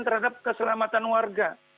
terhadap keselamatan warga